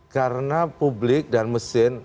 karena publik dan mesin